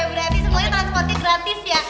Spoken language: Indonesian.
berarti semuanya transportasi gratis ya